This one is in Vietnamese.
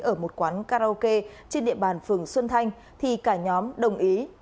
ở một quán karaoke trên địa bàn phường xuân thanh thì cả nhóm đồng ý